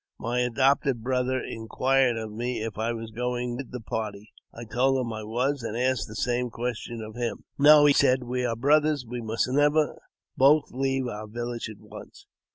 My adopted brother inquired of me if I was going with the party. I told him I was, and asked the same question of him. "No," he said; "we are brothers; we must never both leave our village at' once.